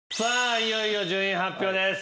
いよいよ順位発表です。